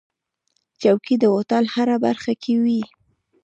چوکۍ د هوټل هره برخه کې وي.